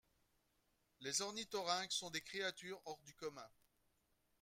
Les ornithorynques sont des créatures hors du commun.